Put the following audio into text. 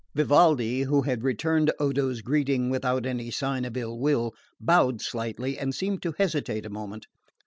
Vivaldi, who had returned Odo's greeting without any sign of ill will, bowed slightly and seemed to hesitate a moment.